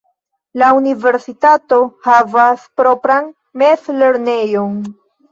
La universitato havas propran mezlernejon.